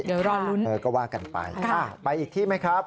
เดี๋ยวรอลุ้นเออก็ว่ากันไปไปอีกที่ไหมครับ